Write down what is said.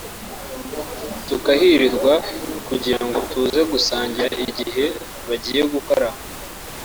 tukahirirwa kugira ngo tuze gusangira igihe bagiye gukaraba